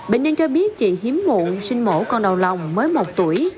bệnh nhân cho biết chị hiếm muộn sinh mổ con đầu lòng mới một tuổi